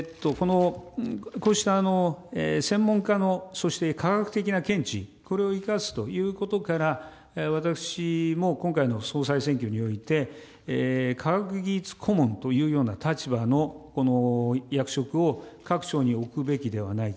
こうした専門家の、そして科学的な見地、これを生かすということから、私は今回の総裁選挙において、科学技術顧問というような立場の役職を各省に置くべきではないか。